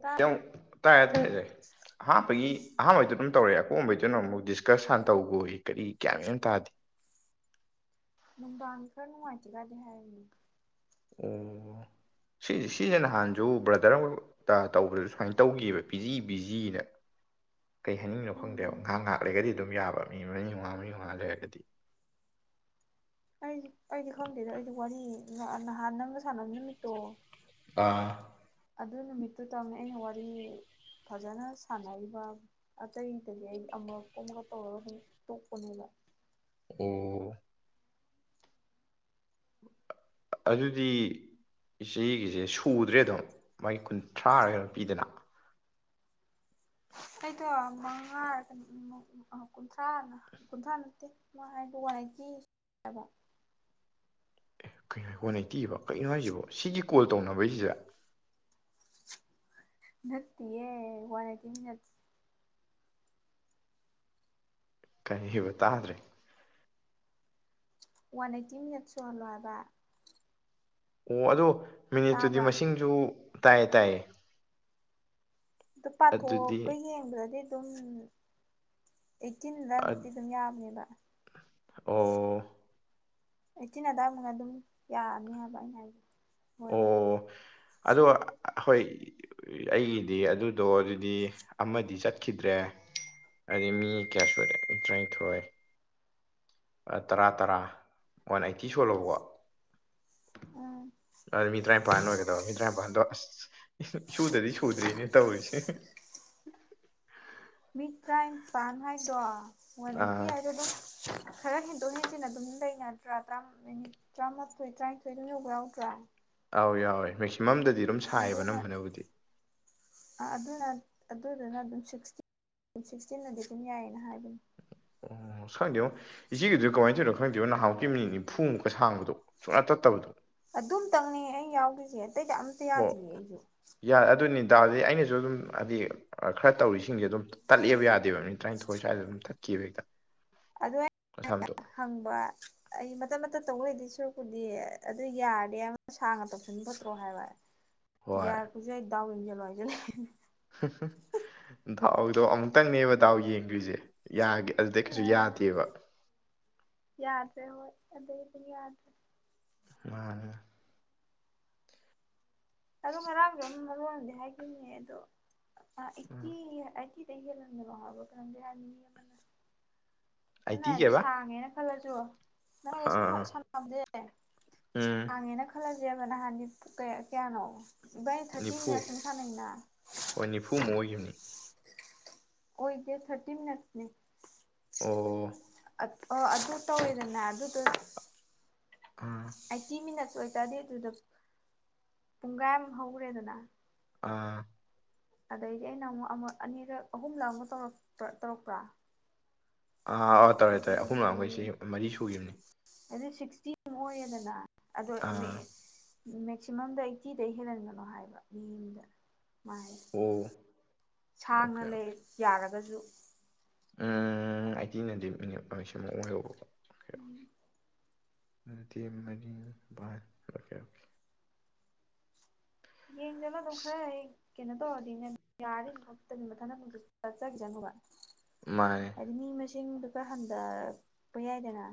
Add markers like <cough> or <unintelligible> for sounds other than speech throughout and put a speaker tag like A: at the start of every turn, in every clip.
A: ꯇꯥ
B: ꯇꯥꯏꯔꯦ ꯇꯥꯏꯔꯁꯦ ꯍꯥꯞꯄꯒꯤ ꯑꯍꯥꯟꯕꯩꯗ ꯑꯗꯨꯝ ꯇꯧꯔꯛꯦ ꯑꯣꯝꯕꯩꯗꯨꯅ ꯑꯃꯨꯛ ꯗꯤꯁꯀꯁꯥꯟ ꯇꯧꯕ ꯀꯔꯤ ꯀꯌꯥꯃ ꯇꯥꯗꯦ
A: ꯅꯣꯡꯗꯥꯥꯛ ꯈꯔ ꯅꯪꯛꯉꯥꯏꯇꯦꯒꯥꯗ ꯍꯥꯏꯅꯤ
B: ꯑꯣ ꯁꯤꯁꯦ ꯁꯤꯁꯦ ꯅꯍꯥꯟꯁꯨ ꯕ꯭ꯔꯗꯔ ꯑꯃ ꯇ ꯇꯧꯕꯗ ꯁꯨꯃꯥꯏꯅ ꯇꯧꯈꯤꯕꯑꯕ ꯄꯤꯖꯤ ꯄꯤꯖꯤꯅ ꯀꯩ ꯍꯥꯏꯅꯤꯡꯅꯣ ꯈꯪꯗꯦꯕ
A: ꯎꯝ
B: ꯉꯥꯏꯍ ꯉꯥꯏꯍꯥꯛ ꯂꯩꯒꯗꯤ ꯑꯗꯨꯝ ꯌꯥꯕ ꯃꯤ ꯃꯔꯤ ꯃꯉꯥ ꯃꯔꯤ ꯃꯉꯥ ꯂꯩꯔꯒꯗꯤ
A: ꯑꯩ ꯑꯩꯗꯤ ꯈꯪꯗꯦꯗ ꯑꯩꯗꯤ ꯋꯥꯔꯤ ꯅꯍꯥꯟ ꯅꯪꯒ ꯁꯥꯟꯅꯕ ꯅꯨꯃꯤꯠꯇꯣ
B: ꯑꯥ
A: ꯑꯗꯨ ꯅꯨꯃꯤꯠꯇꯨ ꯇꯧꯅꯤ ꯑꯩꯅ ꯋꯥꯔꯤ ꯐꯖꯅ ꯁꯥꯟꯅꯔꯤꯕ꯫ ꯑꯇꯩꯗꯗꯤ ꯑꯩ ꯑꯃ ꯀꯣꯝ ꯑꯃꯒ ꯇꯧꯔꯒ ꯑꯃ ꯇꯣꯛꯄꯅꯦꯕ꯫
B: ꯑꯣ꯫ ꯑꯗꯨꯗꯤ ꯏꯆꯦꯒꯤꯁꯦ ꯁꯨꯗ꯭ꯔꯦ ꯑꯗꯨꯝ ꯃꯥꯒꯤ ꯀꯨꯟꯊ꯭ꯔꯥꯔꯒ ꯑꯗꯨꯝ ꯄꯤꯗꯅ꯫
A: ꯑꯩꯗꯣ ꯃꯉꯥꯔ ꯑ ꯀꯨꯟꯊ꯭ꯔꯥ ꯀꯨꯟꯊ꯭ꯔꯥ ꯅꯠꯇꯦ ꯃꯥ ꯍꯥꯏꯕ ꯋꯥꯗꯤ꯫
B: ꯑꯦ ꯀꯩꯅ ꯍꯣꯅꯩꯇꯤꯕ ꯀꯔꯤꯒꯤꯅꯣ ꯍꯥꯏꯁꯤꯕꯣ ꯁꯤꯒꯤ ꯀꯣꯜ ꯇꯧꯅꯕꯩꯁꯤꯗ
A: ꯅꯠꯇꯌꯦ ꯋꯥꯅꯦꯗꯤ꯫
B: ꯀꯩ ꯍꯥꯏꯕꯥ ꯇꯥꯗ꯭ꯔꯦ꯫
A: ꯋꯥꯟ ꯑꯩꯠꯇꯤ ꯃꯤꯠꯁꯁꯨ ꯍꯜꯂꯣ ꯍꯥꯏꯕ꯫
B: ꯑꯣ ꯑꯗꯨꯗꯣ ꯃꯤꯅꯤꯠꯇꯨꯗꯤ
A: ꯇꯥꯕ꯭ꯔꯥ
B: ꯃꯁꯤꯡꯁꯨ ꯇꯥꯏꯌꯦ ꯇꯥꯏꯌꯦ꯫
A: ꯑꯗꯨ
B: ꯑꯗꯨꯗꯤ
A: ꯄꯥꯊꯣꯛꯀ ꯌꯦꯡꯕꯗꯗꯤ ꯑꯗꯨꯝ ꯏꯀꯤꯤꯟꯗ ꯃꯨꯛꯇꯤ
B: ꯑꯠ-
A: ꯊ ꯍꯥꯅꯤꯕ
B: ꯑꯣ
A: ꯑꯩꯠꯇꯤꯟ ꯑꯗꯥꯏꯃꯅ ꯑꯗꯨꯝ ꯌꯥꯔꯅꯤ ꯍꯥꯏꯕ ꯑꯩꯅ ꯍꯥꯏꯖꯦ꯫
B: ꯑꯣ꯫ ꯑꯗꯨꯒꯥ ꯑꯩꯈꯣꯏ꯫ ꯑꯩꯒꯤꯗꯤ ꯑꯗꯨꯗꯣ ꯑꯗꯨꯗꯤ ꯑꯃꯗꯤ ꯆꯠꯈꯤꯗ꯭ꯔꯦ ꯑꯗꯤ ꯃꯤ ꯀꯌꯥꯁꯨ ꯇꯔꯥꯅꯤꯊꯣꯏ꯫ ꯇꯔꯥ ꯇꯔꯥ ꯋꯥꯟ ꯑꯥꯏꯠꯇꯤ ꯁꯨꯂꯧꯕ
A: ꯎꯝ
B: ꯃꯤ ꯇꯔꯥꯏꯄꯥꯟ ꯑꯣꯏꯒꯗꯧꯕ ꯃꯤ ꯇꯔꯥꯏꯄꯥꯟꯗꯣ ꯑꯁ꯫ ꯁꯨꯗꯗꯤ ꯁꯨꯗ꯭ꯔꯤꯅꯦ ꯇꯧꯔꯤꯁꯦ
A: <inaudible> ꯃꯤꯠ ꯇꯔꯥꯏꯄꯥꯟ ꯍꯥꯏꯗꯣ ꯋꯥꯟꯅꯥꯏꯇꯤ
B: ꯑꯥ
A: ꯍꯥꯏꯗ‌ꯣ ꯗꯨꯝ ꯈꯔ ꯍꯦꯟꯗꯣꯛ ꯍꯦꯟꯖꯤꯟ ꯑꯗꯨꯝ ꯂꯩꯅꯗ꯭ꯔꯥꯥ ꯃꯤꯅꯤꯠ ꯇꯔꯥꯃꯥꯊꯣꯏ ꯇꯔꯥꯅꯤꯊꯣꯏ ꯑꯗꯨꯝ ꯌꯧꯕ ꯌꯥꯎꯗ꯭ꯔꯥ
B: ꯑꯧ ꯌꯥꯎꯋꯦ ꯃꯦꯛꯁꯤꯃꯝꯗꯗꯤ ꯑꯗꯨꯝ ꯁꯥꯏꯌꯦꯕ
A: ꯑꯗꯨꯅ
B: ꯑꯅꯝꯕꯅꯕꯨꯗꯤ
A: ꯑ ꯑꯗꯨꯅ ꯑꯗꯨꯗꯨꯅ ꯑꯗꯨꯝ ꯁꯤꯛꯁꯇꯤ꯫ ꯁꯤꯛꯁꯇꯤꯟꯅꯗꯤ ꯑꯗꯨꯝ ꯌꯥꯏꯌꯦꯅ ꯍꯥꯏꯕꯅꯤ
B: ꯑꯣ ꯁꯪꯗꯦꯉꯣ ꯏꯆꯦꯒꯤꯗꯨ ꯀꯃꯥꯏ ꯇ‌ꯩꯅꯣ ꯈꯪꯗꯦꯕ‌ꯣ ꯅꯍꯥꯟꯃꯨꯛꯀꯤ ꯃꯤꯅꯤꯠ ꯅꯤꯐꯨꯃꯨꯛꯀ ꯁꯥꯡꯕꯗꯣ ꯁꯨꯡꯇꯠ ꯇꯠꯇꯕꯗꯣ
A: ꯑꯗꯨꯝ ꯇꯪꯅ‌‌ꯦ ꯑꯩ ꯌꯥꯎꯒꯤꯆ‌‌ꯦ ꯑꯇꯩꯗꯤ ꯑꯝꯇ
B: ꯍꯣ
A: ꯌꯥꯗꯤꯌꯦ ꯑꯩꯖꯨ
B: ꯌꯥꯏ ꯑꯗꯨꯅꯤ ꯇꯗꯤ ꯑꯩꯅꯖꯨ ꯑꯗꯨꯝ ꯍꯥꯏꯗꯤ꯫ ꯈꯔ ꯇꯧꯔꯤꯁꯤꯡꯁꯦ ꯑꯗꯨꯝ ꯇꯠꯂꯦꯕ ꯌꯥꯗꯦꯕ ꯃꯤꯅꯠ ꯇꯔꯥꯅꯤꯊꯣꯏ ꯁ꯭ꯋꯥꯏꯗ ꯑꯗꯨꯝ ꯇꯠꯈꯤꯕ ꯍꯦꯛꯇ꯫
A: ꯑꯗꯣ ꯑꯩꯅ
B: ꯑꯁꯝꯇ
A: ꯍꯪꯕ꯫ ꯑꯩ ꯃꯇꯠ ꯃꯇꯠ ꯇꯧ ꯂꯩꯗꯦ ꯁꯨꯔꯛꯄꯨꯗꯤ ꯑꯗꯨ ꯌꯥꯔꯗꯤ ꯑꯃ ꯁꯥꯡꯅ ꯇꯧꯁꯟ ꯐꯇꯔ‌ꯣ ꯍꯥꯏꯕ
B: ꯍꯣꯏ
A: ꯌꯥꯔꯛꯄꯁꯨ ꯌꯥꯏ ꯗꯥꯎ ꯌꯦꯡꯖꯜꯂꯣ ꯍꯥꯏꯜꯂ‌ꯦ
B: ꯍ ꯍ ꯗꯥꯎꯗꯣ ꯑꯃꯨꯛꯇꯪꯅꯦꯕ ꯗꯥꯎ ꯌꯦꯡꯒ‍꯭ꯔꯤꯖ‌ꯦ ꯌꯒ‌ꯦ ꯑꯗꯨꯗꯩ ꯀꯩꯁꯨ
A: ꯑ
B: ꯌꯥꯗꯦꯕ
A: ꯌꯥꯗ꯭ꯔꯦ ꯍꯣꯏ ꯑꯗꯨꯗꯩ ꯑꯗꯨꯝ ꯌꯥꯗ꯭ꯔꯦ
B: ꯃꯥꯅꯦ
A: ꯑꯗ‌ꯣ ꯉꯔꯥꯡꯗꯤ ꯑꯩꯅ ꯃꯔꯣꯟ ꯑꯃꯗꯤ ꯍꯥꯏꯒꯤꯝꯅ‌ꯦ ꯑꯗꯣ ꯑꯥꯏꯇꯤ
B: ꯎꯝ
A: ꯁꯤꯗꯩ ꯂꯤꯜ ꯍꯟ ꯒꯅ‌ꯣ ꯍꯥꯏꯕꯔ ꯀꯩꯅ‌ꯣꯝꯗꯤ ꯍꯥꯏꯕꯅ‌ꯦ ꯃꯤ ꯑꯃ ꯅ ꯁꯝꯅ
B: ꯑꯥꯏꯠꯇꯤ
A: ꯍꯥꯏꯔꯕꯗ
B: ꯀꯩꯕ
A: ꯁꯥꯡꯉꯦꯅ ꯈꯜꯂꯖꯨ ꯅꯪꯒ
B: ꯑꯥ
A: ꯁꯨꯝ
B: ꯑꯥ
A: ꯁꯥꯟꯅꯕꯗꯤ
B: ꯎꯝ
A: ꯁꯥꯡꯉꯦꯅ꯫ ꯈꯜꯂꯁꯦꯕ ꯅꯍꯥꯟꯗꯤ ꯀꯌꯥ ꯀꯌꯥꯅꯣ ꯏꯕꯥꯅꯤ ꯊꯥꯔꯇꯤ
B: ꯅꯤꯐꯨ
A: ꯃꯤꯅꯠ ꯁꯨꯝ ꯁꯥꯟꯅꯩꯅ
B: ꯍꯣꯏ ꯅꯤꯐꯨꯃꯨꯛ ꯑꯣꯏꯒꯤꯕꯅꯤ꯫
A: ꯑꯣꯏꯗꯦ ꯊꯥꯔꯇꯤꯟ ꯅꯠꯅꯦ
B: ꯑꯣ꯫
A: ꯑ ꯑꯣ ꯑꯗꯨ ꯇꯧꯔꯦꯗꯅ ꯑꯗꯨꯗꯨ
B: ꯎꯝ
A: ꯑꯥꯏꯇꯤ ꯃꯤꯅꯠꯁ ꯑꯣꯏꯇꯥꯔꯗꯤ ꯑꯗꯨꯗ ꯄꯨꯡꯒꯥꯏ ꯑꯃ ꯍꯧꯒ꯭ꯔꯦꯗꯅ
B: ꯑꯥ
A: ꯑꯗꯩꯗꯤ ꯑꯩꯅ ꯑꯃꯨꯛ ꯑꯃꯛ ꯑꯅꯤꯔꯛ ꯑꯍꯨꯝꯂꯛ ꯑꯃꯨꯛ ꯇꯧꯔ ꯇꯧꯔꯛꯄ꯭ꯔꯥ
B: ꯑꯥ ꯑꯥ ꯇꯧꯔꯦ ꯇꯧꯔꯦ ꯑꯍꯨꯝꯂꯛ
A: ꯑꯗꯨꯒꯗꯤ
B: ꯑꯃ ꯏꯆ‌ꯦ ꯃꯔꯤ ꯁꯨꯒꯤꯝꯅꯤ꯫
A: ꯑꯗꯨ ꯁꯤꯛꯁꯇꯤꯃꯨꯛ ꯑꯣꯏꯔꯌꯦꯗꯅ ꯑꯗꯣ
B: ꯑꯥ
A: ꯃꯦꯛꯁꯤꯃꯝꯗ ꯑꯥꯏꯇꯤꯗꯩ ꯍꯦꯜꯍꯟꯒꯅꯣ ꯍꯥꯏꯕ ꯃꯤ ꯑꯝꯗ꯫ ꯃꯥꯥꯏ
B: ꯑꯣ
A: ꯁꯥꯡꯅ
B: ꯑꯣꯀꯦ
A: ꯂꯩ
B: ꯑꯣꯀꯦ
A: ꯌꯥꯔꯒꯖꯨ
B: ꯎꯝ ꯑꯥꯇꯤꯅꯗꯤ ꯃꯤꯅꯤꯠ ꯁꯃꯨꯛ ꯑꯣꯏꯍꯧꯕꯀ‌ꯣ
A: ꯎꯝ꯫
B: ꯑꯗꯤ ꯃꯔꯤ ꯅꯤꯄꯥꯟ ꯑ‌ꯣꯀ‌ꯦ ꯑ‌ꯣꯀ‌ꯦ
A: ꯌꯦꯖꯂ‌ꯣ ꯑꯗꯨꯝ ꯈꯌ ꯍꯥꯏ ꯀꯩꯅꯣ ꯇꯧꯔꯗꯤꯅꯦ ꯌꯥꯔꯗꯤ ꯑꯗꯨꯝ ꯃꯊꯟꯗ ꯑꯗꯨꯝ ꯆꯠꯆꯒꯤꯖ ꯅ‌ꯣꯕ
B: ꯃꯥꯅꯦ꯫
A: ꯍꯥꯏꯗꯤ ꯃꯤ ꯃꯁꯤꯡꯗꯨꯀ ꯍꯟꯗꯔꯛꯄ ꯌꯥꯏꯗꯅ꯫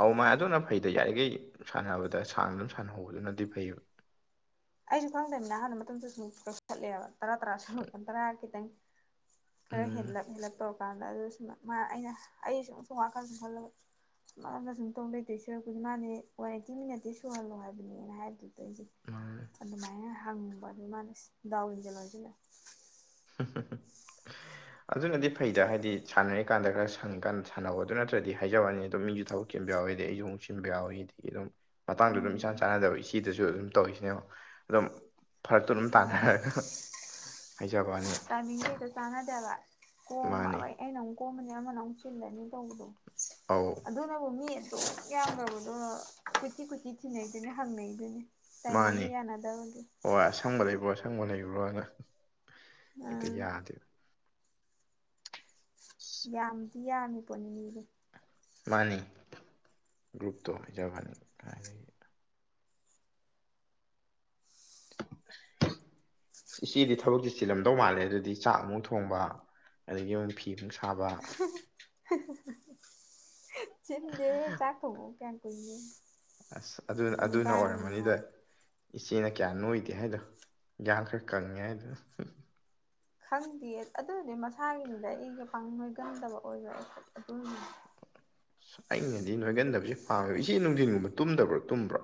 B: ꯑꯧ ꯃꯥꯥꯏ ꯑꯗꯨꯅ ꯐꯩꯗ ꯌꯥꯔꯤꯈꯩ ꯁꯥꯟꯅꯕꯗ ꯁꯥꯡ ꯑꯗꯨꯝ ꯁꯥꯟꯅꯍꯧꯕꯗꯨꯅꯗꯤ ꯐꯩꯕ
A: ꯑꯩꯁꯨ ꯈꯪꯗꯃꯤꯅ ꯑꯍꯥꯟꯅ ꯃꯇꯝꯗꯁꯨ ꯁ ꯀꯊꯠꯂꯦꯕ ꯇꯔꯥ ꯇꯔꯥ ꯁꯂꯨꯄ ꯇꯔꯥ ꯈꯤꯇꯪ ꯈꯔ
B: ꯎꯝ
A: ꯍꯦꯟꯂꯞ ꯍꯦꯟꯂꯞ ꯇꯧꯔꯀ ꯀꯥꯟꯗ ꯑꯗꯨꯁꯨ ꯃꯥ ꯑꯩꯅ ꯑꯩ ꯁ ꯁꯨꯝ ꯋꯥꯈꯜ ꯁꯨꯝ ꯈꯜꯂꯕ꯫ ꯝꯅ ꯁꯨꯝ ꯇꯧ ꯂꯩꯗ‌ꯣꯏ ꯁꯣꯏꯨꯔꯛꯄꯨꯗꯤ ꯃꯥꯅꯦ ꯋꯥꯔꯦꯟꯇꯤ ꯃꯤꯅꯠꯇꯤ ꯁꯨꯍꯜꯂꯣ ꯍꯥꯏꯕꯅꯦꯅ ꯍꯥꯏꯕꯗꯨꯗ ꯑꯩꯗꯤ
B: ꯃꯥꯅꯦ
A: ꯑꯗꯨꯃꯥꯏꯅ ꯍꯪꯕꯅꯤ ꯃꯥꯜꯅ ꯗꯥꯎꯏꯟꯁꯦ ꯂꯣꯏꯁꯤꯜꯂ
B: <unintelligible>
A: <inaudible>
B: ꯑꯗꯨꯅꯗꯤ ꯐꯩꯗ ꯍꯥꯏꯗꯤ ꯁꯥꯟꯅꯔꯤꯀꯥꯟꯗ ꯈꯔ ꯁꯪꯀꯥꯟ ꯁꯥꯟꯅꯧ ꯑꯗꯨ ꯅꯠꯇ꯭ꯔꯗꯤ ꯍꯥꯏꯖꯕꯨꯑꯥꯅꯤ ꯑꯗꯨꯝ ꯃꯤꯁꯨ ꯊꯕꯛ ꯕ ꯌꯥꯎꯋꯤꯗꯤ ꯑꯩꯁꯨꯨ ꯁꯤꯟꯕ ꯌꯥꯎꯋꯤꯗꯒꯤ ꯑꯗꯨꯝ ꯃꯇꯥꯡꯗ ꯑꯗꯨꯝ ꯏꯆꯥꯟ
A: ꯎꯝ
B: ꯆꯥꯟꯅꯗꯕ ꯏꯆꯦꯗꯁꯨ ꯑꯗꯨꯝ ꯇꯧꯔꯤꯁꯤꯅꯦꯕ ꯑꯗꯨꯝ ꯐꯔꯛꯇꯨ ꯑꯗꯨꯝ
A: ꯍꯣꯏ
B: ꯇꯥꯟꯅꯔꯒ
A: <unintelligible>
B: ꯍꯩꯖꯥꯕꯥꯅꯤ꯫
A: ꯇꯥꯏꯃꯤꯡꯗꯣ ꯍꯦꯛꯇ ꯆꯅꯗꯦ ꯍꯥꯏꯕ ꯀꯣ ꯃꯥ꯫
B: ꯃꯥꯅꯤ
A: ꯑꯩꯩꯅ ꯑꯃꯨꯛ ꯀꯣꯝꯃꯅꯤ ꯑꯃꯅ ꯑꯃꯨꯛ ꯆꯤꯜꯂꯅꯤ ꯇꯧꯕꯗꯣ
B: ꯑꯧ
A: ꯑꯗꯨꯅꯕꯨ ꯃꯤ ꯑꯁꯨꯛ ꯌꯥꯝꯂꯕꯗꯣ ꯀꯨꯁꯤ ꯀꯨꯁꯤ ꯊꯤꯅꯩꯗꯨꯅꯤ ꯍꯪꯅꯩꯗꯨꯅꯤ ꯇꯥꯏꯃꯤꯡꯗꯣ
B: ꯃꯥꯅꯤ
A: ꯌꯥꯅꯗꯕꯒꯤ
B: ꯍꯣꯏ ꯑꯁꯪꯕ ꯂꯩꯕ꯭ꯔꯣ ꯑꯁꯪꯕ ꯂꯩꯕ꯭ꯔꯣꯅ ꯍꯦꯛꯇ
A: ꯑꯥ
B: ꯌꯥꯗꯦꯕ ꯑꯁ,
A: ꯌꯥꯝ ꯌꯥꯝꯃꯤ ꯄꯣꯠꯅꯤ
B: ꯃꯥꯅꯤ ꯒ꯭ꯔꯨꯨꯞꯇ ꯍꯩꯖꯕꯥꯅꯤ
A: <unintelligible>
B: ꯏꯆꯦꯗꯤ ꯊꯕꯛꯁꯦ ꯆꯤꯜꯂꯝꯗꯧ ꯃꯥꯜꯂꯦ ꯑꯗꯨꯗꯤ ꯆꯥꯛ ꯑꯃꯨꯛ ꯊꯣꯡꯕ ꯑꯗꯒꯤ ꯃꯣꯏ ꯐꯤ ꯑꯃꯨꯛ ꯁꯥꯕ
A: <unintelligible> ꯆꯤꯟꯗꯦꯍꯦ ꯆꯥꯛ ꯊꯣꯡꯕꯨ ꯀꯌꯥꯝ ꯀꯨꯏꯅꯤ
B: ꯑꯁ ꯑꯗꯨꯅ ꯑꯗꯨꯅ ꯑꯣꯏꯔꯝꯃꯅꯤꯗ ꯏꯆꯦꯅ ꯀꯌꯥ ꯅꯣꯏꯗꯦ ꯍꯥꯏꯗꯣ ꯏꯌꯥꯡ ꯈꯔ ꯀꯪꯉꯦ ꯍꯥꯏꯗꯣ꯫
A: ꯈꯪꯗꯦ ꯑꯗꯨꯗꯤ ꯃꯁꯥꯒꯤꯅꯤꯗ ꯑꯩꯒ ꯄꯥꯡ ꯂꯣꯏꯒꯝꯗꯕ ꯑꯣꯏꯕ ꯑꯩ ꯑꯗꯨꯅꯤ
B: ꯑꯩꯅꯗꯤ ꯅꯣꯏꯒꯟꯗꯕꯁꯤ ꯄꯥꯝꯃꯦ ꯏꯆꯦ ꯅꯨꯡꯗꯤꯟꯒꯨꯝꯕ ꯇꯨꯝꯗꯕ꯭ꯔꯣ ꯇꯨꯝꯕ꯭ꯔꯣ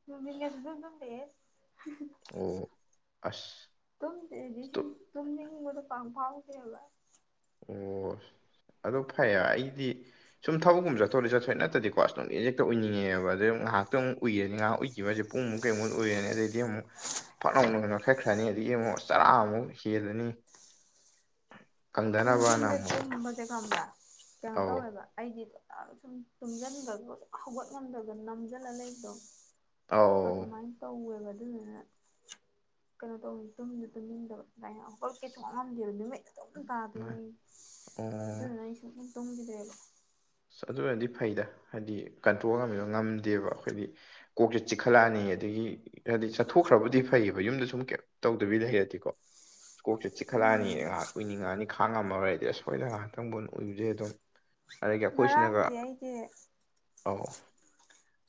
A: <unintelligible>
B: ꯑꯣ ꯑꯁ
A: ꯨꯇꯨꯝꯗꯦ
B: ꯇꯨ
A: ꯁꯨꯝ ꯇꯨꯝꯅꯤꯡꯅꯤꯡꯕꯗꯣ ꯐꯥꯎꯗꯦꯕ
B: ꯑꯣ ꯑꯗꯨ ꯐꯩ ꯑꯩꯗꯤ ꯁꯨꯝ ꯊꯕꯛꯀꯨꯝ ꯆꯠꯊꯂꯛ ꯆꯠꯊꯣꯛꯑꯦꯠꯇꯗꯤꯀꯣꯁꯝ ꯑꯦꯖꯦꯛꯇ ꯎꯏꯅꯤꯡꯉꯦꯕ ꯑꯗ ꯉꯥꯏꯌꯥꯛꯇꯨ ꯎꯏꯔꯅꯤ ꯉꯥꯏꯍꯥꯛ ꯎꯏ ꯀꯁꯦ ꯄꯨꯡꯃꯨꯛ ꯀꯩꯃꯨꯛ ꯑꯣꯏꯔꯦ ꯑꯗꯩ ꯑꯗꯒꯤ ꯐꯠ ꯑꯃꯨꯛ ꯐꯅꯧ ꯀꯛꯈ꯭ꯔꯅꯤ ꯑꯗꯨꯗꯒꯤ ꯑꯃꯨꯛ ꯆꯔꯥꯃꯨꯛ ꯍꯦꯜꯂꯅꯤ ꯀꯪꯗꯅꯕꯅ
A: ꯅꯨꯡꯗꯤꯟꯗ
B: ꯑꯃꯨꯛ
A: ꯇꯨꯝꯕꯁꯦ ꯈꯪꯕ꯭ꯔꯥ ꯀꯩꯅꯣ
B: ꯑꯧ
A: ꯇꯧꯋꯦꯕ ꯑꯩꯗꯤ ꯑ ꯁꯨꯝ ꯇꯨꯝꯖꯟꯕꯒ ꯍꯧꯒꯠ ꯉꯝꯗꯗꯅ ꯅꯝꯖꯜꯂ ꯂꯩꯕꯗꯣ
B: ꯑꯧ
A: ꯑꯗꯨꯃꯥꯏ ꯇꯧꯋꯦꯕ ꯑꯗꯨꯗꯨꯅ ꯀꯩꯅꯣ ꯇꯧꯅꯤ ꯇꯨꯝꯗ ꯇꯨꯝꯅꯤꯡꯗꯕ ꯑꯗꯨꯃꯅ ꯑꯪꯀꯜ ꯀꯩꯁꯨꯨꯝꯉꯝꯗꯦꯕ ꯅꯨꯃꯤꯠꯇ ꯇꯧꯅꯤ ꯄꯥꯗꯣꯏꯅꯦ
B: ꯃꯥꯅꯤ
A: ꯑꯩ
B: ꯑꯣ
A: ꯑꯗꯨꯗꯨꯅ ꯑꯩ ꯁꯨꯡ ꯇꯨꯝꯈꯤꯗ꯭ꯔꯦꯕ
B: ꯑꯗꯨ ꯑꯣꯏꯔꯗꯤ ꯐꯩꯗ ꯍꯥꯏꯗꯤ ꯀꯟꯇ꯭ꯔꯣꯜ ꯉꯝꯕ ꯉꯝꯗꯦꯕ ꯑꯩꯈꯣꯏꯗꯤ ꯀꯣꯛꯁꯦ ꯆꯤꯛꯈꯠꯂꯛꯑꯅꯤ ꯑꯗꯒꯤ ꯍꯥꯏꯗꯤ ꯆꯠꯊꯣꯛꯈ꯭ꯔꯕꯨꯗꯤ ꯐꯩꯑꯕ ꯌꯨꯝꯗ ꯁꯨꯝ ꯀꯩ ꯇꯧꯗꯕꯤꯗ ꯍꯩꯔꯗꯤꯀꯣ꯫ ꯏꯁꯀꯣꯛꯁꯦ ꯆꯛꯈꯠꯂꯛꯑꯅꯤ
A: ꯎꯝ
B: ꯉꯥꯏꯍꯥꯛ ꯑꯣꯏꯅꯤꯡ ꯅꯤ ꯈꯥꯡꯉꯝꯃꯔꯗꯤꯁꯣꯏꯗ ꯉꯥꯏꯍꯥꯛꯇꯪ ꯎꯗꯦ ꯑꯗꯨ꯫ ꯑꯈꯣꯏꯁꯤꯅꯒ
A: ꯉꯔꯥꯡꯗꯤ ꯑꯩꯗꯤ
B: ꯑꯧ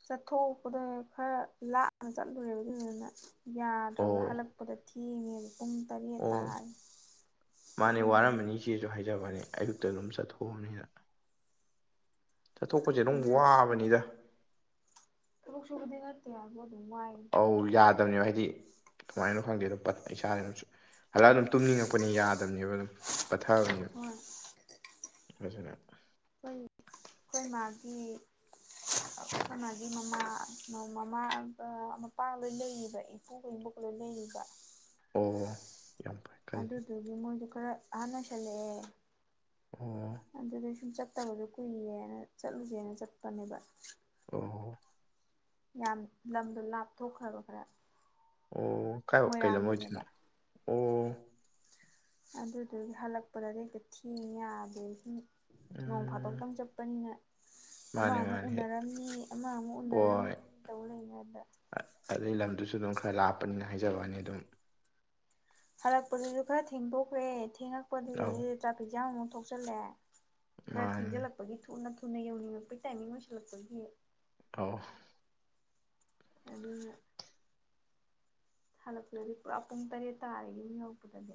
A: ꯆꯠꯊꯣꯛꯄꯗ ꯈꯔ ꯂꯥꯞꯅ ꯆꯠꯂꯨꯔꯦꯕ ꯑꯗꯨꯗꯨꯅ ꯌꯥꯗ꯭ꯔꯕ
B: ꯑꯣ
A: ꯍꯜꯂꯛꯄꯗ ꯊꯦꯡꯉꯦꯕ ꯄꯨꯡ ꯇꯔꯦꯠ ꯇꯥ
B: ꯑꯣ
A: ꯑꯗꯨꯗꯨꯒꯤ
B: ꯀꯦꯁꯨ ꯍꯥꯏꯖꯕꯅꯦ ꯑꯌꯨꯛꯇ ꯑꯗꯨꯝ ꯆꯠꯊꯣꯛꯑꯅꯤꯅ꯫ ꯆꯠꯊꯣꯛꯄꯁꯦ ꯑꯗꯨꯝ
A: ꯑꯗꯨ
B: ꯋꯥꯕꯅꯤꯗ
A: ꯊꯕꯛ ꯁꯨꯕꯗꯤ ꯅꯠꯇꯦ ꯍꯥꯏꯕꯨ ꯑꯗꯨꯝ ꯋꯥꯥꯏ
B: ꯑꯧ ꯌꯥꯗꯕꯅꯦꯕ ꯍꯥꯏꯗꯤ ꯀꯃꯥꯏꯅꯣ ꯈꯪꯗꯦꯗꯣ ꯏꯁꯥꯅꯅꯨ ꯍꯜꯂꯥꯛꯑ ꯑꯗꯨꯝ ꯇꯨꯝꯅꯤꯡꯉꯛꯄꯅꯤ ꯌꯥꯗꯕꯅꯦꯕ ꯑꯗꯨꯝ ꯄꯠꯊꯕꯅꯦꯕ
A: ꯍꯣꯏ
B: ꯑꯗꯨꯅ
A: ꯑꯩꯈꯣꯏ ꯑꯩꯈꯣꯏ ꯃꯥꯒꯤ ꯑꯈꯣꯏ ꯃꯥꯒꯤ ꯃꯃꯥ ꯃꯃꯥꯒ ꯃꯄꯥꯒ ꯂꯣꯏ ꯂꯩꯔꯤꯕ ꯏ ꯏꯄꯨꯒ ꯏꯕ‌ꯣꯛꯀ ꯂ‌ꯣꯏ ꯂꯩꯔꯤꯕ
B: ꯑꯣ ꯌꯥꯝ ꯐꯩ ꯈꯜꯂꯤ
A: ꯑꯗꯨꯗꯨꯒꯤ ꯃꯣꯏꯗꯣ ꯈꯔ ꯑꯍꯥꯟ ꯑꯣꯏꯁꯤꯜꯂꯛꯑꯦ
B: ꯑꯣ
A: ꯑꯗꯨꯗꯩ ꯁꯨꯝ ꯆꯠꯇꯕꯗꯣ ꯀꯨꯏꯔꯦꯅ ꯆꯠꯂꯨꯖꯦꯅ ꯆꯠꯄꯅꯦꯕ
B: ꯑꯣ
A: ꯌꯥꯝ ꯂꯝꯗꯣ ꯂꯥꯞꯊꯣꯛꯈ꯭ꯔꯕ ꯈꯔ꯫
B: ꯑꯣ ꯀꯥꯏ ꯀꯩꯂꯝ
A: ꯃꯣꯏꯔꯥꯡꯗꯅꯦꯕ
B: ꯑꯣꯏꯗꯣꯏꯅꯣ ꯑꯣ
A: ꯑꯗꯨꯗꯨꯏ ꯍꯜꯂꯛꯄꯗꯗꯤ ꯍꯦꯛꯇ ꯊꯦꯡꯉ‌ꯦ ꯌꯥꯗꯦ ꯍꯤꯡ ꯅꯣꯡ
B: ꯎꯝ
A: ꯐꯥꯗꯣꯛꯇꯪ ꯆꯠꯄꯅꯤꯅ ꯑꯃ
B: ꯃꯥꯅꯦ
A: ꯑꯃꯨꯛ
B: ꯃꯥꯅꯦ
A: ꯎꯅꯔꯝꯃꯤ ꯑꯃ ꯑꯃꯨꯛ ꯎꯅꯔꯝꯅꯤ ꯇꯧ ꯂꯩꯉꯩꯗ
B: ꯑꯗꯩ ꯂꯝꯗꯨꯁꯨ ꯑꯗꯨꯝ ꯈꯔ ꯂꯥꯞꯄꯅꯤꯅ ꯍꯥꯏꯖꯋꯥꯅꯤ ꯑꯗꯨꯝ꯫
A: ꯍꯜꯂꯛꯄꯗꯨꯁꯨ ꯈꯔ ꯊꯦꯡꯗꯣꯛꯈ꯭ꯔꯦ
B: ꯑꯧ
A: ꯊꯦꯡꯉꯛꯄꯗꯨꯗꯗꯤ ꯇ꯭ꯔꯥꯐꯤꯛ ꯖꯥꯝ ꯑꯃꯨꯛ ꯊꯣꯛꯆꯜꯂꯦ ꯈꯔ
B: ꯃꯥꯅꯤ
A: ꯊꯦꯡꯖꯤꯜꯂꯛꯄꯒꯤ ꯊꯨꯅ ꯊꯨꯅ ꯌꯧꯅꯤꯡꯉꯛꯄꯩ ꯇꯥꯏꯃꯤꯡ ꯑꯣꯏꯁꯜꯂꯛꯄꯒꯤ
B: ꯑꯥꯎ꯫
A: ꯑꯗꯨꯅ ꯍꯜꯂꯛꯄꯗꯗꯤ ꯄꯨꯔꯥ ꯄꯨꯡ ꯇꯔꯦꯠ ꯇꯥꯔ‌ꯦ ꯌꯨꯝ ꯌꯧꯔꯛꯄꯗꯗꯤ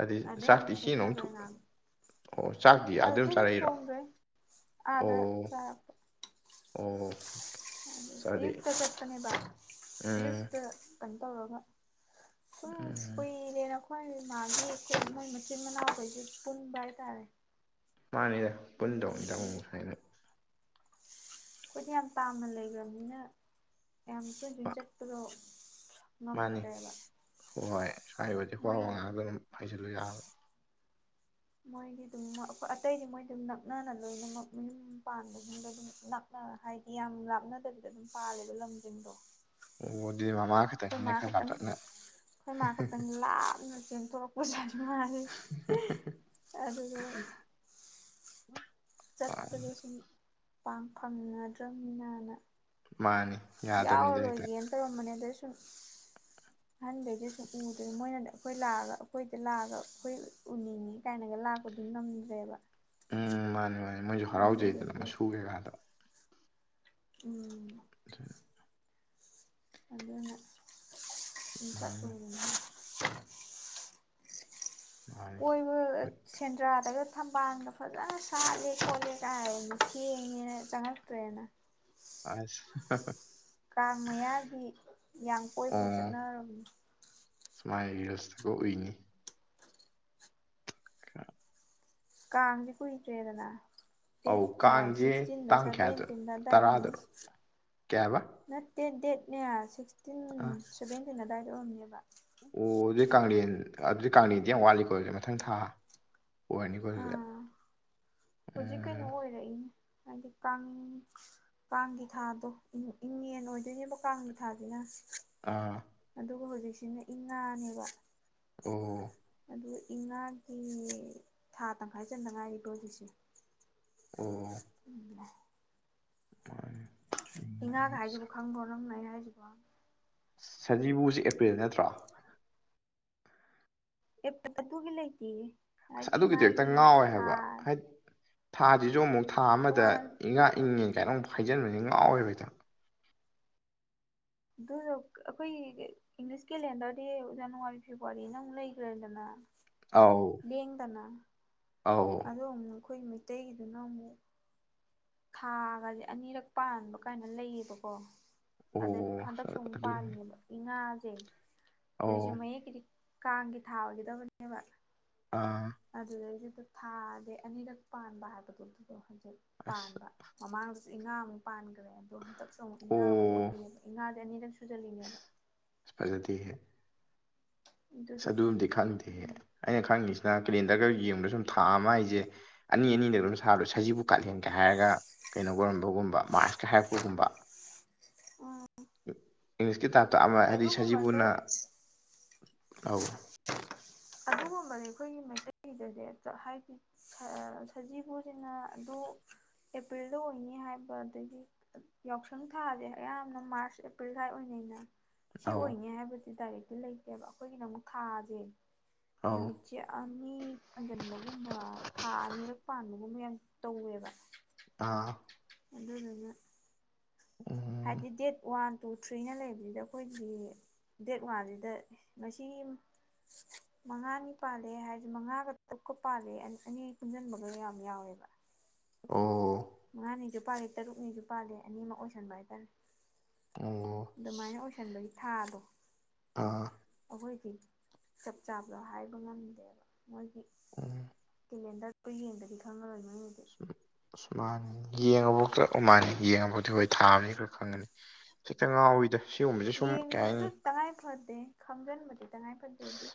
B: ꯑꯗꯤ
A: ꯑꯗꯩ
B: ꯆꯥꯛꯇꯤ
A: ꯑꯗꯨꯝ
B: ꯏꯆꯦꯅ ꯑꯃꯨꯛ
A: ꯁꯦꯠꯊꯈ꯭ꯔꯦ
B: ꯊꯣꯡ
A: ꯉꯥꯡ
B: ꯑꯣ ꯆꯥꯛꯇꯤ ꯑꯗꯥ ꯗꯨꯝ
A: ꯑꯗꯨꯗꯩꯗꯤ
B: ꯆꯥꯔꯛꯏꯔꯣ
A: ꯊꯣꯡꯗ꯭ꯔꯦ ꯑꯥꯗ
B: ꯑꯣ
A: ꯆꯥꯔꯛꯄ
B: ꯑꯣ ꯑꯣꯀ‌ꯦ
A: ꯑꯌꯨꯛꯇ ꯆꯠꯄꯅ‌ꯦꯕ
B: ꯎꯝ
A: ꯑꯌꯨꯛꯇ ꯀꯩꯟ ꯇꯧꯔꯒ ꯁꯨꯝ
B: ꯎꯝ
A: ꯀꯨꯏꯔꯦ ꯑꯈꯣꯏ ꯃꯥꯒꯤ ꯑꯩꯈꯣꯏ ꯃꯣꯏ ꯃꯆꯤꯟ ꯃꯅꯥꯎꯈꯩꯁꯦ ꯄꯨꯟꯕ ꯍꯥꯏꯇꯥꯔꯦ꯫
B: ꯃꯥꯅꯤꯗ ꯄꯨꯟꯗꯧꯅꯤꯗ
A: ꯑꯗꯨꯗꯒꯤ
B: ꯑꯃꯨꯃꯨꯛ ꯁꯥꯏꯅꯥ꯫
A: ꯑꯩꯈꯣꯏꯗꯤ ꯌꯥꯝ ꯇꯥꯝꯅ ꯂꯩꯈ꯭ꯔꯕꯅꯤꯅ ꯌꯥꯝ ꯇ‌ꯣꯏꯟ ꯇ‌ꯣꯏꯟ ꯆꯠꯄꯗꯣ
B: ꯃꯥꯅꯤ
A: ꯉꯝꯗ꯭ꯔꯦꯕ
B: ꯍꯣꯏ ꯍꯥꯏꯔꯤꯕꯗꯤ ꯋꯥ
A: ꯃꯣꯏ
B: ꯋꯥ ꯉꯥꯛꯇ ꯑꯗꯨꯝ ꯍꯩꯖꯜꯂꯨ ꯌꯥꯕ
A: ꯃꯣꯏꯗꯤ ꯑꯗꯨꯝ ꯑꯇꯩꯗꯤ ꯃꯣꯏꯗꯨꯝ ꯅꯛꯅꯅ ꯂꯣꯏꯅꯃꯛ ꯃꯌꯨꯝ ꯄꯥꯟꯕꯒꯨꯝꯗ ꯑꯗꯨꯝ ꯅꯛ ꯍꯥꯏꯗꯤ ꯌꯥꯝ ꯂꯥꯞꯅꯗꯕꯤꯗ ꯑꯗꯨꯝ ꯄꯥꯜꯂꯦꯕ ꯂꯝꯁꯤꯡꯗꯣ
B: ꯑꯣ ꯗꯨꯗꯤ ꯃꯃꯥ ꯈ
A: ꯑꯈꯣꯏ ꯃꯥ ꯈꯛꯇꯪ ꯑꯩꯈꯣꯏ ꯃꯥ ꯈꯛꯇꯪ ꯂꯥꯞꯅ ꯆꯦꯟꯊꯣꯔꯛ ꯄꯨꯖꯥꯅꯤ ꯃꯥꯅ‌ꯦ ꯑꯗꯨꯒ ꯆꯠꯄꯗꯣ ꯁꯨꯝ ꯄꯥꯛ ꯐꯪꯅꯗ꯭ꯔꯝꯅꯤꯅꯅ
B: ꯃꯥꯅ‌ꯦ
A: ꯌꯥꯎꯔꯔꯣꯏꯒꯦꯅ‌ ꯇꯧꯔꯝꯕꯅꯦ ꯑꯗ ꯁꯨꯝ ꯑꯍꯥꯟꯕꯩꯗ ꯁꯨꯝ ꯎꯗꯅ ꯃꯣꯏꯅꯗꯤ ꯑꯩꯈꯣꯏ ꯂꯥꯛꯑꯒ ꯑꯩꯈꯣꯏꯗ ꯂꯥꯛꯑꯒ ꯑꯩꯈꯣꯏ ꯎꯅꯤꯡꯉꯤ ꯀꯥꯏꯅꯒ ꯂꯥꯛꯄꯗꯤ ꯉꯝꯗ꯭ꯔꯦꯕ
B: ꯎꯝ ꯃꯥꯅꯤ ꯃꯥꯅꯤ ꯃꯣꯏꯁꯨ ꯍꯔꯥꯎꯖꯩꯗꯅ
A: ꯑꯗꯨꯗꯨꯒꯤ
B: ꯃꯁꯨ ꯀꯩꯀꯥꯗ‌ꯣ
A: ꯎꯝ
B: <unintelligible>
A: ꯑꯗꯨꯅ <unintelligible>
B: ꯃꯥꯅꯤ
A: ꯑꯣꯏꯅ
B: ꯃꯥꯅꯤ
A: ꯀꯣꯏꯕ ꯑ
B: ꯍꯣꯏ
A: ꯁꯦꯟꯗ꯭ꯔꯥꯗꯒ ꯊꯝꯕꯥꯜꯒ ꯐꯖꯅ ꯁꯥꯠꯂꯦ ꯈꯣꯠꯂꯦꯒ ꯍꯥꯏꯌꯦ ꯊꯦꯡꯉꯦꯅ ꯆꯪꯉꯛꯇ꯭ꯔꯦꯅ
B: ꯑꯁ <unintelligible>
A: ꯀꯥꯡ ꯃꯌꯥꯒꯤ ꯌꯥꯝ ꯀꯣꯏꯕꯒ
B: ꯑꯣ
A: ꯆꯠꯅꯔꯕꯅꯤ
B: ꯁꯨꯃꯥꯏ ꯔꯤꯜꯁꯇꯒ ꯎꯏꯅꯦ
A: ꯀꯥꯡꯖ‌ꯦ ꯀꯨꯏꯗ꯭ꯔꯦꯗꯅ ꯗꯦꯠ
B: ꯑꯧ
A: ꯀꯌꯥ
B: ꯀꯥꯡꯁꯦ
A: ꯁꯤꯛꯁꯇꯤꯟꯂ
B: ꯇꯥꯡ ꯀꯌꯥꯗꯅꯣ
A: ꯁꯦꯚꯦꯟꯇꯤꯟꯂ ꯑꯗꯥꯏ
B: ꯇꯔꯥꯗꯔꯣ
A: ꯑꯣꯏꯔꯝꯅꯦ
B: ꯀꯌꯥ ꯍꯥꯏꯕ
A: ꯅꯠꯇꯦ ꯗꯦꯠꯅꯦ ꯁꯤꯛꯁꯇꯤꯟ
B: ꯑꯥ
A: ꯁꯚꯦꯟꯇꯤꯟ ꯑꯗꯥꯏꯗ ꯑꯣꯏꯔꯝꯅꯦꯕ
B: ꯑꯣ ꯑꯗꯨꯗꯤ ꯀꯥꯡꯂꯦꯟ ꯑꯗꯨꯗꯤ ꯀꯥꯡꯂꯦꯟꯗꯤ ꯌꯥꯝ ꯋꯥꯠꯂꯤꯀꯣ ꯑꯗꯨ ꯃꯊꯪ ꯊꯥ ꯑꯣꯏꯔꯅꯤꯀꯣ ꯑꯗꯨꯗꯤ
A: ꯑꯥ ꯍꯧꯖꯤꯛ ꯀꯩꯅꯣ
B: ꯎꯝ
A: ꯑꯣꯏꯔꯛꯏꯅꯦ ꯍꯥꯏꯗꯤ ꯀꯥꯡ ꯀꯥꯡꯒꯤ ꯊꯥꯗꯣ ꯏꯉꯦꯟ ꯑꯣꯏꯗꯣꯏꯅꯦꯕ ꯀꯥꯡꯒꯤ ꯊꯥꯖꯤꯅ
B: ꯑꯥ
A: ꯑꯗꯨꯒ ꯍꯧꯖꯤꯛꯁꯤꯅ ꯏꯉꯥꯅꯦꯕ
B: ꯑꯣ
A: ꯑꯗꯨ ꯏꯉꯥꯒꯤ ꯊꯥ ꯇꯪꯈꯥꯏ ꯆꯟꯇ ꯉꯥꯏꯔꯤꯀꯣ ꯍꯧꯖꯤꯛꯁꯦ
B: ꯑꯣ
A: ꯎꯝ
B: <unintelligible> ꯃꯥꯅꯦ
A: ꯏꯉꯥꯒ ꯍꯥꯏꯖꯤꯕꯨ ꯈꯪꯕ꯭ꯔꯣ ꯅꯪ ꯂꯩ ꯍꯥꯏꯖꯤꯕꯣ
B: ꯁꯖꯤꯕꯨꯁꯤ ꯑꯦꯄ꯭ꯔꯤꯜ ꯅꯠꯇ꯭ꯔꯣ
A: ꯑꯦꯄꯔꯤꯜ ꯑꯗꯨꯒꯤ ꯂꯩꯇꯦ
B: ꯑꯁ ꯑꯗꯨꯒꯤꯗꯣ ꯍꯦꯛꯇ ꯉꯥꯎꯋꯦ ꯍꯥꯏꯕ ꯍꯥꯏ ꯊꯥꯖꯤꯖꯨ ꯑꯃꯨꯛ ꯊꯥ ꯑꯃꯗ
A: ꯇꯣꯉꯥꯟꯅ
B: ꯏꯉꯥ ꯏꯪꯉꯦꯟ ꯀꯥꯏꯅ ꯑꯃꯨꯛ ꯍꯥꯏꯖꯤꯟꯕꯖꯤ ꯉꯥꯎꯋꯦꯕ ꯍꯦꯛꯇ
A: ꯑꯗꯨ ꯑꯩꯈꯣꯏꯒꯤ ꯏꯪꯂꯤꯁꯀꯤꯂꯦꯟꯗꯔꯗꯤ ꯖꯅꯋꯥꯔꯤ ꯐꯦꯕꯋꯥꯔꯤꯅ ꯑꯃꯨꯛ ꯂꯩꯒ꯭ꯔꯦꯗꯅ
B: ꯑꯥꯎ
A: ꯂꯦꯡꯗꯅ
B: ꯑꯧ
A: ꯑꯗꯣ ꯑꯃꯨꯛ ꯑꯩꯈꯣꯏꯒꯤ ꯃꯩꯇꯩꯒꯤꯗꯨꯅ ꯑꯃꯨꯛ ꯊꯥꯒꯖꯦ ꯑꯅꯤꯔꯛ ꯄꯥꯟꯕ ꯀꯥꯏꯅ ꯂꯩꯌꯦꯕꯀꯣ
B: ꯑꯣ
A: ꯑꯗꯩ ꯍꯟꯗꯛꯁꯨ ꯑꯃꯨꯛ
B: ꯑꯗꯨꯅꯦ
A: ꯄꯥꯜꯂꯤꯅꯦꯕ ꯏꯪꯉꯥꯖꯦ
B: ꯑꯧ
A: ꯍꯧꯖꯤꯛꯁꯦ ꯃꯌꯦꯛꯀꯤꯗꯤ ꯀꯥꯡꯒꯤ ꯊꯥ ꯑꯣꯏꯒꯗꯕꯅꯦꯕ
B: ꯑꯥ
A: ꯑꯗꯨꯗꯩꯗ ꯊꯥꯖꯦ ꯑꯅꯤꯔꯛ ꯄꯥꯟꯕ ꯍꯥꯏꯕꯗꯨ ꯑꯗꯨꯗꯣ ꯍꯧꯖꯤꯛ
B: ꯑꯁ
A: ꯄꯥꯟꯕ ꯃꯃꯥꯡꯗꯁꯨ ꯏꯉꯥ ꯑꯃꯨꯛ ꯄꯥꯟꯒ꯭ꯔꯦ ꯑꯗꯣ ꯍꯟꯗꯛꯁꯨ ꯑꯃꯨꯛ
B: ꯑꯣ
A: ꯏꯉꯥ ꯑꯃꯨꯛ ꯑꯣꯏꯔꯤꯅꯦꯕ ꯏꯉꯥꯗꯤ ꯑꯅꯤꯔꯛ ꯁꯨꯖꯜꯂꯤꯅꯦꯕ
B: ꯑꯁ ꯐꯖꯗꯦꯍꯦ ꯑꯁ ꯑꯗꯨꯝꯗꯤ
A: ꯑꯗꯨꯗꯨꯒꯤꯅꯤ
B: ꯈꯪꯗꯦ ꯑꯩꯅ ꯈꯪꯉꯤꯁꯤꯅ ꯀꯦꯂꯦꯟꯗꯔꯒ ꯌꯦꯡꯕꯗ ꯁꯨꯝ ꯊꯥ ꯑꯃ ꯍꯥꯏꯖꯦ ꯑꯅꯤ ꯑꯅꯤꯗ ꯑꯗꯨꯝ ꯁꯥꯕꯗꯣ ꯁꯖꯤꯕꯨ ꯀꯥꯂꯦꯟꯒ ꯍꯥꯏꯔꯒ ꯀꯩꯅꯣ ꯑꯣꯏꯔꯝꯕ ꯒꯨꯝꯕ ꯃꯥꯔꯁꯀꯥ ꯍꯥꯏꯔꯛꯄꯒꯨꯝꯕ
A: ꯎꯝ
B: ꯏꯪꯂꯤꯁꯀꯤ ꯇꯥꯏꯞꯇ ꯑꯃ ꯍꯥꯏꯗꯤ ꯁꯖꯤꯕꯨꯅ
A: ꯑꯗꯨꯒꯨꯝꯕꯗ
B: ꯑꯥꯎ
A: ꯑꯗꯨꯒꯨꯝꯕꯗꯤ ꯑꯩꯈꯣꯏꯒꯤ ꯃꯩꯇꯩꯒꯤꯗꯗꯤ ꯍꯥꯏꯗꯤ ꯁꯖꯤꯕꯨꯖꯤꯅ ꯑꯗꯨ ꯑꯦꯄ꯭ꯔꯤꯜꯗ ꯑꯣꯏꯅꯤ ꯍꯥꯏꯕ ꯑꯗꯒꯤ ꯌꯥꯎꯁꯪ ꯊꯥꯥꯖꯦ ꯑꯌꯥꯝꯕꯅ ꯃꯥꯔꯆ ꯑꯦꯄ꯭ꯔꯤꯜ ꯁꯋꯥꯏ ꯑꯣꯏꯅꯩꯗꯅ ꯁꯤ
B: ꯑꯧ
A: ꯑꯣꯏꯅꯤ ꯍꯥꯏꯕ ꯗꯥꯏꯔꯦꯛꯇꯤ ꯂꯩꯇꯦꯕ ꯑꯩꯈꯣꯏꯒꯤꯅ ꯑꯃꯨꯛ ꯊꯥꯖꯦ
B: ꯑꯧ
A: ꯅꯨꯃꯤꯠ ꯆꯦ ꯑꯅꯤ ꯄꯥꯟꯖꯟꯕꯒꯨꯝꯕ ꯊꯥ ꯑꯅꯤꯔꯛ ꯄꯥꯟꯕꯒꯨꯝꯕ ꯌꯥꯝ ꯇꯧꯋꯦꯕ
B: ꯑꯥ
A: ꯑꯗꯨꯗꯨꯅ
B: ꯎꯝ
A: ꯍꯥꯏꯗꯤ ꯗꯦꯠ ꯋꯥꯟ ꯇꯨ ꯊ꯭ꯔꯤꯅ ꯂꯩꯕꯖꯤꯗ ꯑꯩꯈꯣꯏꯒꯤ ꯗꯦꯠ ꯋꯥꯟꯖꯤꯗ ꯉꯁꯤ ꯃꯉꯥꯅꯤ ꯄꯥꯜꯂꯦ ꯍꯥꯏꯗꯤ ꯃꯉꯥꯒ ꯇꯨꯛꯀꯥ ꯄꯥꯜꯂꯦ ꯑꯅꯤ ꯄꯨꯟꯁꯤꯟꯕꯒ ꯌꯥꯝ ꯌꯥꯎꯋꯦꯕ
B: ꯑꯣ
A: ꯃꯉꯥꯅꯤꯖꯨ ꯄꯥꯜꯂꯤ ꯇꯔꯨꯛꯅꯤꯖꯨ ꯄꯥꯜꯂꯤ ꯑꯅꯤꯃꯛ ꯑꯣꯏꯁꯟꯕ ꯍꯥꯏꯇꯥꯔꯦ
B: ꯑꯣ
A: ꯑꯗꯨꯃꯥꯏꯅ ꯑꯣꯏꯁꯟꯕꯒꯤ ꯊꯥꯗꯣ
B: ꯑꯥ
A: ꯑꯩꯈꯣꯏꯗꯤ ꯆꯞ ꯆꯥꯕꯗꯣ ꯍꯥꯏꯕ ꯉꯝꯗꯦꯕ ꯃꯣꯏꯒꯤ
B: ꯎꯝ
A: ꯀꯦꯂꯦꯟꯗꯔꯗꯨ ꯌꯦꯡꯗꯗꯤ ꯈꯪꯉꯔꯣꯏ ꯅꯣꯏꯅꯤꯗꯤ
B: ꯑꯁ ꯃꯥꯅꯤ ꯌꯦꯡꯉꯥꯕꯨꯛꯇꯥ ꯑꯈꯣꯏꯃꯅꯥ ꯌꯦꯡꯉꯕꯨꯗꯤ ꯍꯣꯏ ꯊꯥꯕꯅꯤ ꯈꯔ ꯈꯪꯒꯅꯤ ꯍꯦꯛꯇ ꯉꯥꯎꯋꯤꯗ ꯁꯤꯒꯨꯝꯕꯁꯦ ꯁꯨꯝ ꯀꯩ
A: ꯌꯦꯡꯕ ꯑꯗꯨ
B: ꯍꯥꯏꯅꯤ
A: ꯇꯉꯥꯏ ꯐꯗꯦ ꯈꯪꯖꯤꯟꯕꯗꯤ ꯇꯉꯥꯏ ꯐꯗꯦꯗꯤ